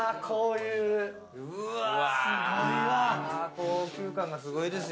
高級感がすごいですよ！